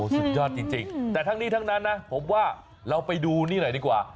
สุดยอดจริงแต่ทั้งนี้ทั้งนั้นนะผมว่าเราไปดูนี่หน่อยดีกว่า